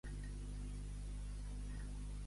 Si algú et ve a tocar el botet, tu fes el paper de met.